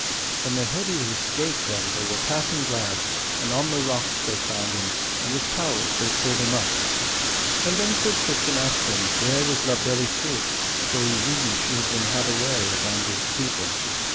When they heard he was escaped then they were passing glad; and on the rocks they found him, and with towels they pulled him up. And then Sir Tristram asked them where was La Beale Isoud, for he weened she had been had away of Andred's people.